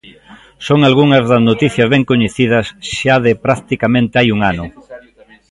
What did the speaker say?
Son algunhas das noticias ben coñecidas xa de practicamente hai un ano.